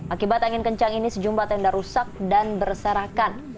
akibat angin kencang ini sejumlah tenda rusak dan berserakan